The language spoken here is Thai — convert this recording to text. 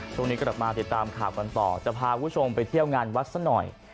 ช่วงนี้กลับมาติดตามข่าวกันต่อจะพาคุณผู้ชมไปเที่ยวงานวัดซะหน่อย